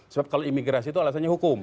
sebab kalau imigrasi itu alasannya hukum